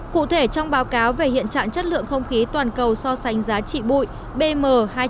cụ thể trong báo cáo về hiện trạng chất lượng không khí toàn cầu so sánh giá trị bụi bm hai trăm linh